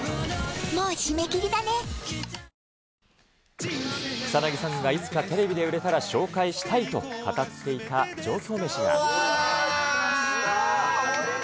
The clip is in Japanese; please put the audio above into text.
ニトリ草薙さんがいつかテレビで売れたら紹介したいと語っていた上京メシが。